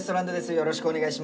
よろしくお願いします。